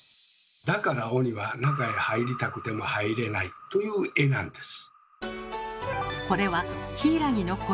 だから鬼は中へ入りたくても入れないという絵なんです。